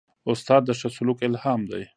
استاد د ښه سلوک الهام دی.